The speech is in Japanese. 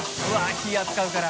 火扱うから。